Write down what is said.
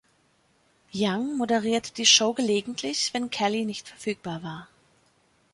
Young moderierte die Show gelegentlich, wenn Kelly nicht verfügbar war.